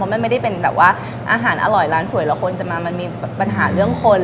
มันไม่ได้เป็นแบบว่าอาหารอร่อยร้านสวยแล้วคนจะมามันมีปัญหาเรื่องคน